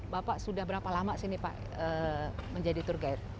bapak sudah berapa lama menjadi tour guide